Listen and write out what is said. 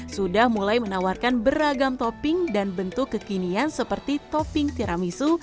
sudah mulai menawarkan beragam topping dan bentuk kekinian seperti topping tiramisu